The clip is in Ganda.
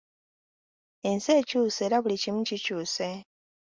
Ensi ekyuse era buli kimu kikyuse.